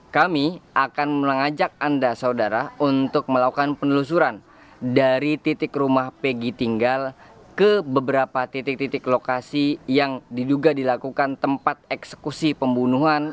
kami akan mengajak anda saudara untuk melakukan penelusuran dari titik rumah pegi tinggal ke beberapa titik titik lokasi yang diduga dilakukan tempat eksekusi pembunuhan